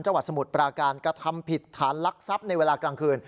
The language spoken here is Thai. สมุทรปราการกระทำผิดฐานลักทรัพย์ในเวลากลางคืน